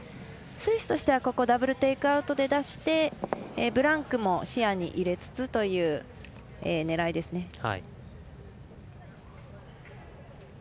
スイスとしてはダブルテイクアウトで出してブランクも視野に入れつつという狙いですね。